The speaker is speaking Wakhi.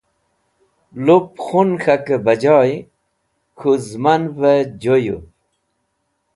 Lup khun k̃hakẽ be jay k̃hũ zẽmanvẽ joyũv.